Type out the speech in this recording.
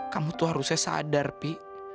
kamu tuh harusnya sadar pi